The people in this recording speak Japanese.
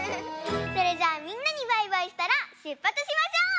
それじゃあみんなにバイバイしたらしゅっぱつしましょう！